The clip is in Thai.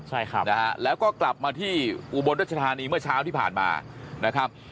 ใช่ครับนะฮะแล้วก็กลับมาที่อุบลรัชธานีเมื่อเช้าที่ผ่านมานะครับ